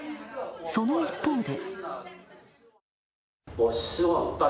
その一方で。